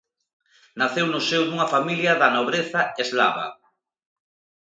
Naceu no seo dunha familia da nobreza eslava.